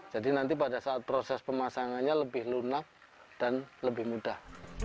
jadi nanti pada saat proses pemasangannya lebih lunak dan lebih mudah